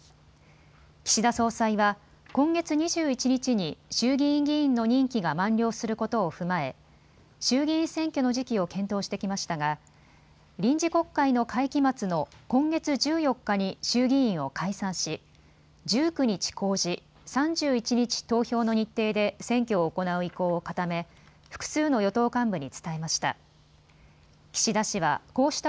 岸田総裁は今月２１日に衆議院議員の任期が満了することを踏まえ衆議院選挙の時期を検討してきましたが臨時国会の会期末の今月１４日に衆議院を解散し１９日公示、３１日投票の日程で選挙を行う意向を固め複数の与党幹部に伝えました。